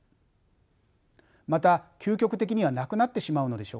また究極的にはなくなってしまうのでしょうか？